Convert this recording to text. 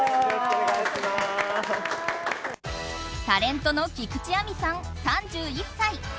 タレントの菊地亜美さん、３１歳。